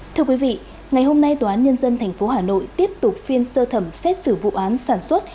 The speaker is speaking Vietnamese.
thưa quý vị ngày hôm nay tòa án nhân dân tp hà nội tiếp tục phiên sơ thẩm xét xử vụ án sản xuất